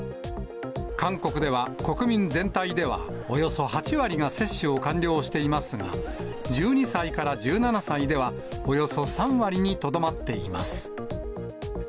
韓国では国民全体では、およそ８割が接種を完了していますが、１２歳から１７歳ではおよそ３割にとどまっています。